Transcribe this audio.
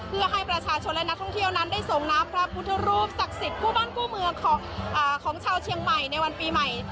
เพื่อให้ประชาชนและนักท่องเที่ยวนั้นได้ส่งน้ำพระพุทธรูปศักดิ์สิทธิ์คู่บ้านคู่เมืองของชาวเชียงใหม่ในวันปีใหม่